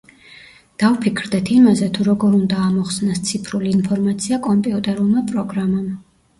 დავფიქრდეთ იმაზე, თუ როგორ უნდა ამოხსნას ციფრული ინფორმაცია კომპიუტერულმა პროგრამამ.